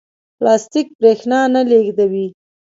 پلاستیک برېښنا نه لېږدوي.